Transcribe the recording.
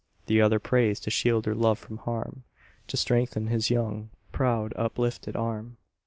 The other prays to shield her love from harm, To strengthen his young, proud uplifted arm.